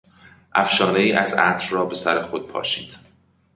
افشانهای از عطر را به سر خود پاشید.